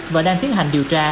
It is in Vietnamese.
và đang tiến hành điều tra